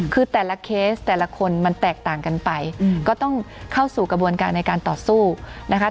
คือแต่ละเคสแต่ละคนมันแตกต่างกันไปก็ต้องเข้าสู่กระบวนการในการต่อสู้นะคะ